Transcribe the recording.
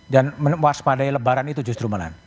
dan melepas padai lebaran itu justru malam